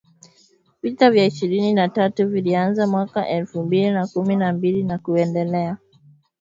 Vita vya ishirini na tatu vilianza mwaka elfu mbili na kumi na mbili na kuendelea